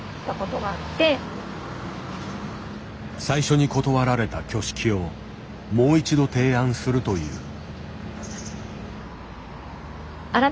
最初に断られた挙式をもう一度提案するという。